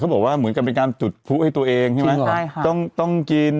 บอกว่าเหมือนกับเป็นการจุดผู้ให้ตัวเองใช่ไหมใช่ค่ะต้องต้องกิน